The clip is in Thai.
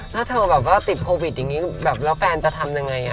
ถ้าเธอติดโควิดแล้วแฟนจะทำยังไง